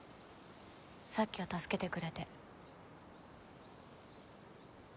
さっきは助けてくれて。